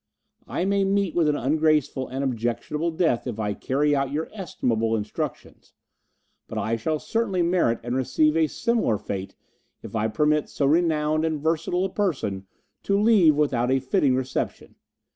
"I may meet with an ungraceful and objectionable death if I carry out your estimable instructions, but I shall certainly merit and receive a similar fate if I permit so renowned and versatile a person to leave without a fitting reception.